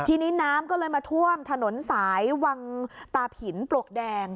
ทีนี้น้ำก็เลยมาท่วมถนนสายวังตาผินปลวกแดง